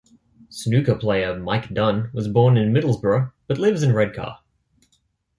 Snooker player Mike Dunn was born in Middlesbrough but lives in Redcar.